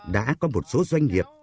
đã có một số doanh nghiệp